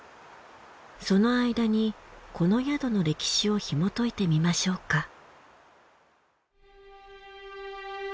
その間にこの宿の歴史をひもといてみましょうか。